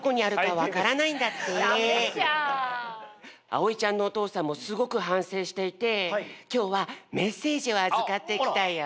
あおいちゃんのおとうさんもすごくはんせいしていてきょうはメッセージをあずかってきたよ。